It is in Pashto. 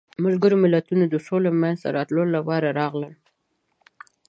ملګري ملتونه د سولې منځته راتلو لپاره راغلل.